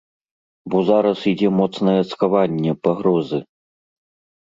Бо зараз ідзе моцнае цкаванне, пагрозы.